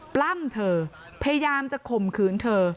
ปล้ำเธอพยายามจะข่มขืนเธอ